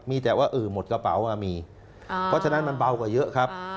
มีแต่ว่าหมดกระเป๋ามีเพราะฉะนั้นมันเบากว่าเยอะครับ